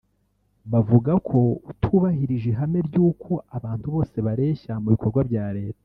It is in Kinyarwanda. bavuga ko utubahirije ihame ry’uko abantu bose bareshya mu bikorwa bya Leta